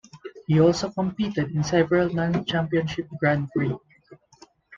He also competed in several non-Championship Grand Prix.